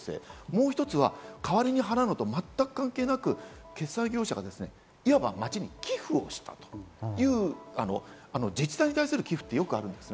もう一つは代わりに払うのと全く関係なく決済業者が、いわば町に寄付をしたという自治体に対する寄付はよくあります。